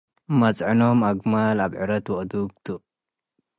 መጽዕኖም አግማል፡ አብዕረት፡ አዱግ ቱ ።